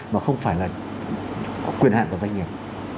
mà không phải là quyền hạn của doanh nghiệp